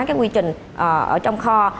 các quy trình ở trong kho